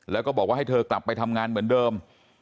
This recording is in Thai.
แล้วก็บอกว่าให้เธอกลับไปทำงานเหมือนเดิม